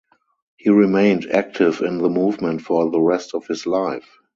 He remained active in the movement for the rest of his life.